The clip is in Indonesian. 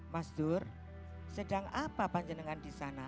mas dur sedang apa panjenengan di sana